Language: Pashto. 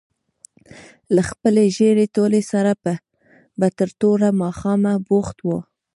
له خپلې ژېړې تولۍ سره به تر توره ماښامه بوخت وو.